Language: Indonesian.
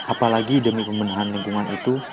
apalagi demi pembenahan lingkungan itu